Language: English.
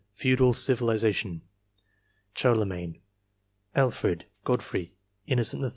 Feudal civilization . *CHARLEMAGNE, Alfred, Godfrey, Innocent III.